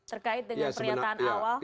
terkait dengan pernyataan awal